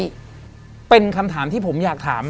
นี่เป็นคำถามที่ผมอยากถาม